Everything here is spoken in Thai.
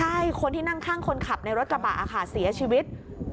ใช่คนที่นั่งข้างคนขับในรถกระบะค่ะเสียชีวิต